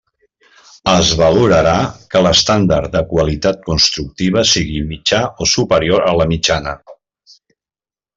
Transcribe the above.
Es valorarà que l'estàndard de qualitat constructiva sigui mitjà o superior a la mitjana.